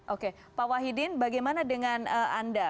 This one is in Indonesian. oke pak wahidin bagaimana dengan anda